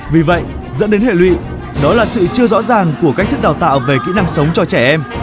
vì vậy dẫn đến hệ lụy đó là sự chưa rõ ràng của cách thức đào tạo về kỹ năng sống cho trẻ em